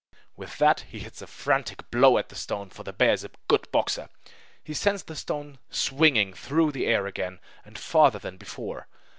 With that he hits a frantic blow at the stone; for the bear is a good boxer. He sends the stone swinging through the air again, and farther than before.